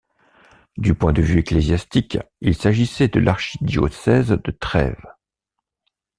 Du point de vue ecclésiastique, il s'agissait de l'archidiocèse de Trèves.